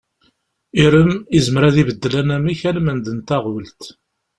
Irem yezmer ad ibeddel anamek almend n taɣult.